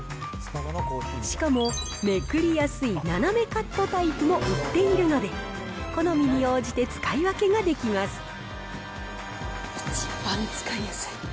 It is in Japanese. しかも、めくりやすいななめカットタイプも売っているので、好みに応じて一番使いやすい。